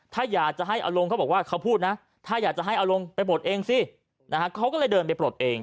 ถ้าอยากจะให้อารมณ์เขาบอกว่าเขาพูดนะถ้าอยากจะให้เอาลงไปปลดเองสินะฮะเขาก็เลยเดินไปปลดเอง